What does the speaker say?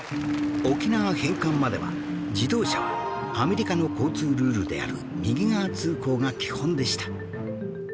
沖縄返還までは自動車はアメリカの交通ルールである右側通行が基本でした